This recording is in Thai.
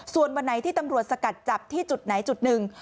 ส่วนวันไหนที่ตำรวจสกัดจับที่จุดไหนจุดหนึ่ง